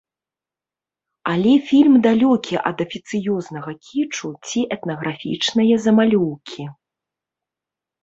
Але фільм далёкі ад афіцыёзнага кічу ці этнаграфічнае замалёўкі.